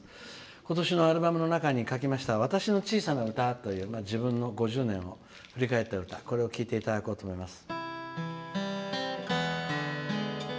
今年のアルバムの中に書きました「私の小さな歌」という自分の５０年を振り返った歌これを聴いていただこうと思います。